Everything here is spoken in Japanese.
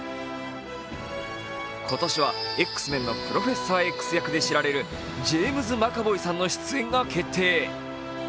今年は「Ｘ−ＭＥＮ」のプロフェッサーＸ役で知られるジェームズ・マカヴォイさんの出演が決定。